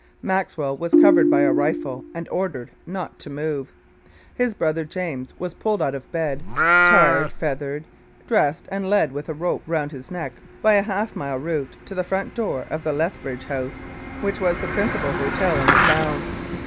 Maxwell was covered by a rifle and ordered not to move. His brother James was pulled out of bed, tarred, feathered, dressed and led with a rope round his neck by a half mile route to the front door of the Lethbridge House which was the principal hotel in the town.